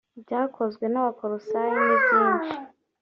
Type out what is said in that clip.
ibyakozwe n abakolosayi ni byinshi